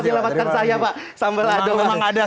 selamatkan saya pak